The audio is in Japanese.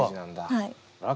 はい。